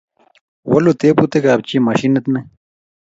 Walu tebutik ap chi machinit ni.